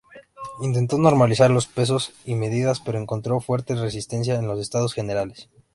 Intentó normalizar los pesos y medidas, pero encontró fuerte resistencia en los Estados Generales.